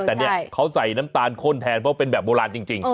แต่เนี่ยเขาใส่น้ำตาลข้นแทนเพราะเป็นแบบโบราณจริง